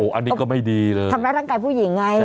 โอ้โหอันนี้ก็ไม่ดีเลยใช่ไหมทำร้ายร่างกายผู้หญิงไง